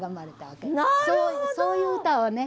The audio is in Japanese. そういう歌をね